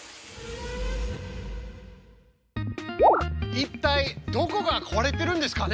一体どこがこわれてるんですかね？